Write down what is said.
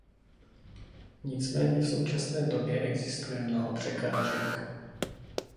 Nicméně v současné době existuje mnoho překážek.